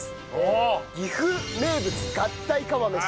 岐阜名物合体釜飯。